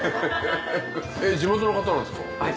地元の方なんですか？